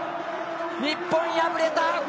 日本、敗れた！